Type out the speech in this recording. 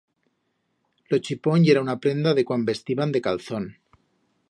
Lo chipón yera una prenda de cuan vestiban de calzón.